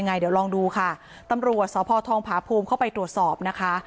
ยังไงเดี๋ยวลองดูค่ะตำรวจสธพภูมิเข้าไปตรวจสอบนะคะ